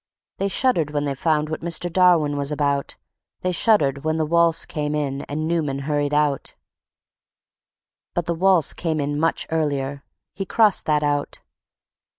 "They shuddered when they found what Mr. Darwin was about, They shuddered when the waltz came in and Newman hurried out—" But the waltz came in much earlier; he crossed that out.